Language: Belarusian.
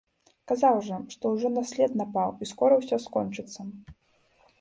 Казаў жа, што ўжо на след напаў, і скора ўсё скончыцца.